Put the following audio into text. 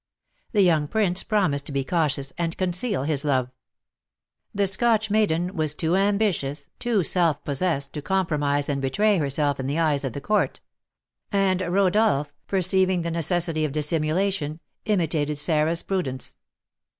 The young prince promised to be cautious, and conceal his love. The Scotch maiden was too ambitious, too self possessed, to compromise and betray herself in the eyes of the court; and Rodolph, perceiving the necessity of dissimulation, imitated Sarah's prudence.